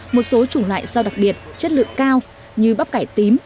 một số chủng loại rau đặc biệt chất lượng cao như bắp cải tím